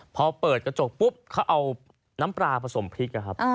พอเปิดกระจกปุ๊บเขาเอาน้ำปลาผสมพริกนะครับ